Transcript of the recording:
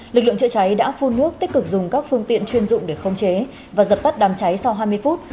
lực lượng chữa cháy đã phun nước tích cực dùng các phương tiện chuyên dụng để không chế và dập tắt đám cháy sau hai mươi phút